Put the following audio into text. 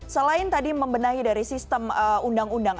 selain tadi membenahi dari sistem undang undang